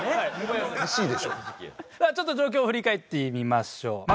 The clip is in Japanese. ちょっと状況を振り返ってみましょう。